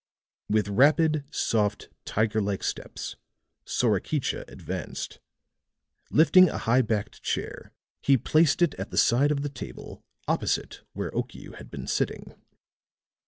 With rapid, soft, tiger like steps, Sorakicha advanced; lifting a high backed chair he placed it at the side of the table opposite where Okiu had been sitting.